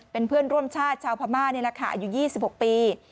เป็นเพื่อนร่วมชาติชาวพม่าอายุ๒๖ปี